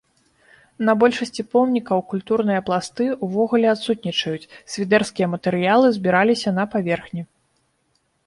На большасці помнікаў культурныя пласты ўвогуле адсутнічаюць, свідэрскія матэрыялы збіраліся на паверхні.